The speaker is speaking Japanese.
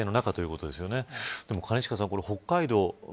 兼近さん、北海道